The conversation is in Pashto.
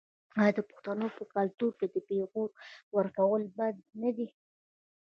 آیا د پښتنو په کلتور کې د پیغور ورکول بد نه دي؟